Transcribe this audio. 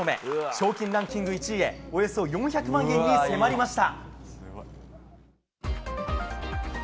賞金ランキング１位へおよそ４００万円に迫りました。